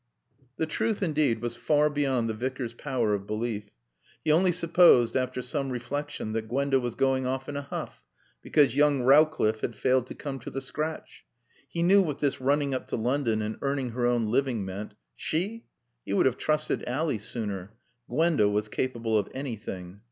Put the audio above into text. The truth indeed was far beyond the Vicar's power of belief. He only supposed (after some reflection) that Gwenda was going off in a huff, because young Rowcliffe had failed to come to the scratch. He knew what this running up to London and earning her own living meant she! He would have trusted Ally sooner. Gwenda was capable of anything.